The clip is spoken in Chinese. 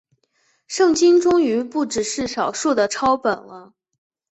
圣经终于不只是少数的抄本了。